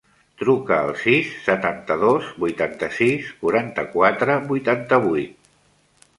Truca al sis, setanta-dos, vuitanta-sis, quaranta-quatre, vuitanta-vuit.